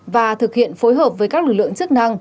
và thực hiện phối hợp với các lực lượng chức năng